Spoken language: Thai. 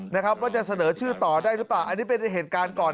นะครับว่าจะเสนอชื่อต่อได้หรือเปล่าอันนี้เป็นเหตุการณ์ก่อน